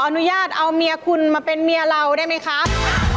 อนุญาตเอาเมียคุณมาเป็นเมียเราได้ไหมครับ